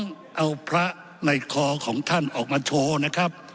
ต้องเอาพระในคอของท่านออกมาโชว์นะครับ